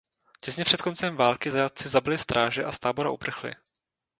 Těsně před koncem války zajatci zabili stráže a z tábora uprchli.